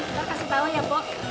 ntar kasih tau ya bok